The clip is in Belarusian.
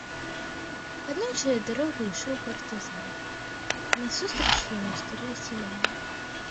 Аднойчы дарогай ішоў партызан, а насустрач яму стары селянін.